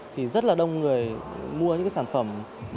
thì rất là đông người mua những sản phẩm